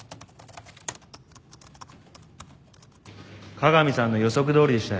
加賀美さんの予測どおりでしたよ。